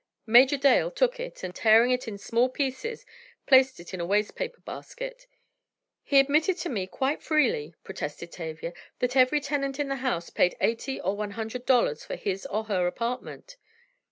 Major Dale took it, and tearing it in small pieces, placed it in a waste paper basket. "He admitted to me, quite freely," protested Tavia, "that every tenant in the house paid eighty or one hundred dollars for his or her apartment!"